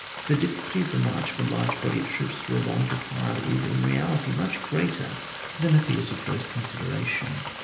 The difficulty of the march of a large body of troops through a long defile is in reality much greater than appears at first consideration.